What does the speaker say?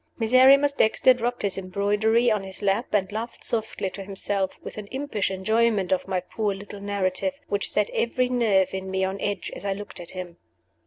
Miserrimus Dexter dropped his embroidery on his lap, and laughed softly to himself, with an impish enjoyment of my poor little narrative, which set every nerve in me on edge as I looked at him.